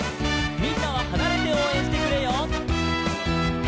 「みんなははなれておうえんしてくれよ」